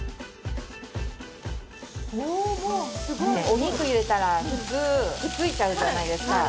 おおすごい！お肉入れたら普通くっついちゃうじゃないですか。